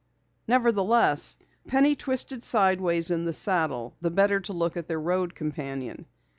Nevertheless, Penny twisted sideways in the saddle the better to look at their road companion.